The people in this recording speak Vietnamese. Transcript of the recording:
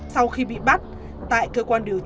sau khi bị bắt tại cơ quan điều diện